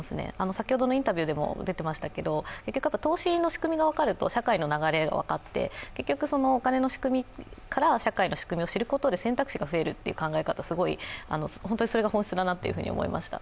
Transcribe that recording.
先ほどのインタビューでも出ていましたけど投資の仕組みが分かると社会の流れが分かって、お金の仕組みから社会の仕組みを知ることで選択肢が増えるということはすごい、本当にそれが本質だなと思いました。